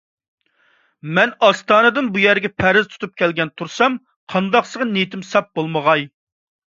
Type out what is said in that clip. مەن ئاستانىدىن بۇ يەرگە پەرھىز تۇتۇپ كەلگەن تۇرسام، قانداقسىغا نىيىتىم ساپ بولمىغاي؟